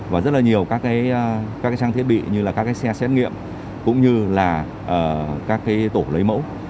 và rất là nhiều các trang thiết bị như là các xe xét nghiệm cũng như là các tổ lấy mẫu